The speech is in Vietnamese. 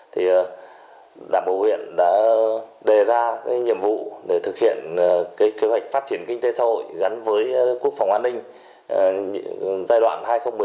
thì đảng bộ huyện đã đề ra nhiệm vụ để thực hiện kế hoạch phát triển kinh tế xã hội gắn với quốc phòng an ninh giai đoạn hai nghìn một mươi sáu hai nghìn hai mươi